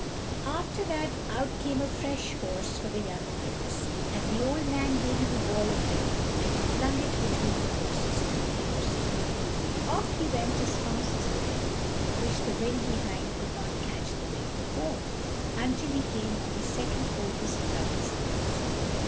After that out came a fresh horse for the young prince, and the old man gave him a ball of yarn, and he flung it between the horse's two ears. Off he went as fast as the wind, which the wind behind could not catch the wind before, until he came to the second oldest brother's house.